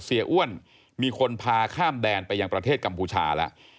อ้วนมีคนพาข้ามแดนไปยังประเทศกัมพูชาแล้ว